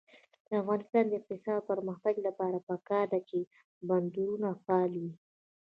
د افغانستان د اقتصادي پرمختګ لپاره پکار ده چې بندرونه فعال وي.